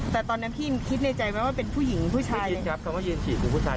แต่ตอนนั้นพี่คิดในใจไหมว่าเป็นผู้หญิงหรือผู้ชาย